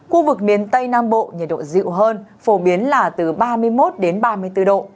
khu vực miền tây nam bộ nhiệt độ dịu hơn phổ biến là từ ba mươi một đến ba mươi bốn độ